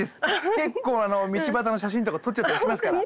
結構道端の写真とか撮っちゃったりしますから。